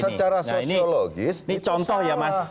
nah ini contoh ya mas